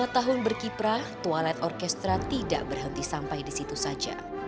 dua puluh lima tahun berkiprah twilight orchestra tidak berhenti sampai di situ saja